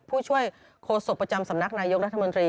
ผู้ช่วยโฆษกประจำสำนักนายกรัฐมนตรี